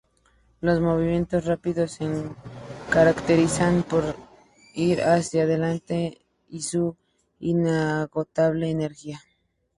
Los movimientos rápidos se caracterizan por ir hacia delante y su inagotable energía.